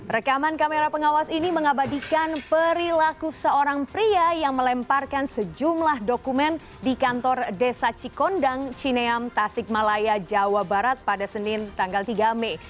rekaman kamera pengawas ini mengabadikan perilaku seorang pria yang melemparkan sejumlah dokumen di kantor desa cikondang cineam tasik malaya jawa barat pada senin tanggal tiga mei